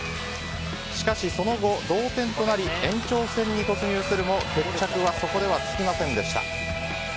しかし、その後同点となり延長戦に突入するも決着はそこではつきませんでした。